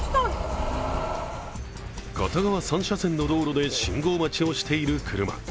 片側三車線の道路で信号待ちをしている車。